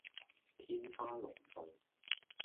天花龍鳳